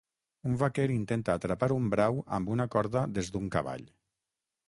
Un vaquer intenta atrapar un brau amb una corda des d"un cavall.